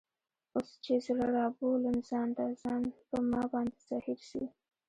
اوس چي زړه رابولم ځان ته ، ځان په ما باندي زهیر سي